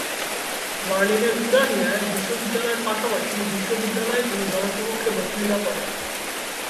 বার্লিনের উরানিয়ায় বিশ্ববিদ্যালয়ের পাশাপাশি বিশ্ববিদ্যালয়ে তিনি জনসমক্ষে বক্তৃতা করেন।